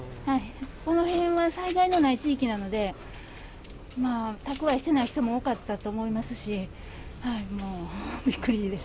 この辺は災害のない地域なので、蓄えしてない人も多かったと思いますし、もうびっくりです。